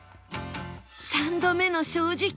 三度目の正直